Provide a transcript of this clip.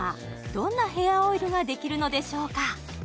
どんなヘアオイルができるのでしょうか？